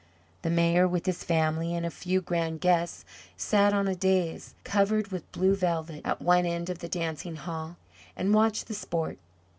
The Mayor, with his family and a few grand guests, sat on a dais covered with blue velvet at one end of the dancing hall, and watched the sport.